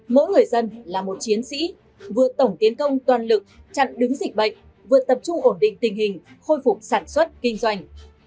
mỗi người dân là một chiến sĩ vừa tổng tiến công toàn lực chặn đứng dịch bệnh vừa tập trung ổn định tình hình khôi phục sản xuất kinh doanh